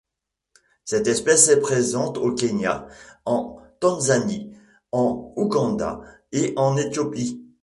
Cette espèce est présente au Kenya, en Tanzanie, en Ouganda et en Éthiopie.